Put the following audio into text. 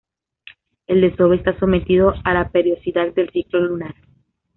El desove está sometido a la periodicidad del ciclo lunar.